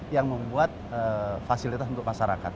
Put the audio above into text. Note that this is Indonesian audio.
yang membuat fasilitas untuk masyarakat